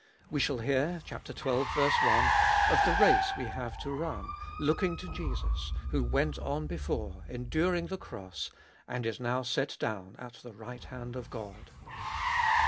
We shall hear (xii. i) of the race we have to run, looking to Jesus, who went on before, enduring the cross, and is now set down at the right hand of God.